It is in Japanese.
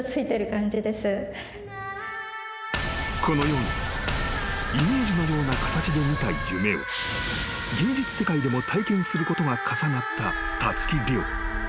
［このようにイメージのような形で見た夢を現実世界でも体験することが重なったたつき諒］